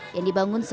yang dibangun sepadan